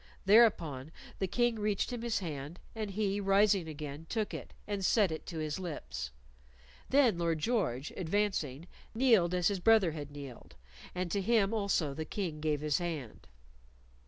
Thereupon the King reached him his hand, and he, rising again, took it, and set it to his lips. Then Lord George, advancing, kneeled as his brother had kneeled, and to him also the King gave his hand.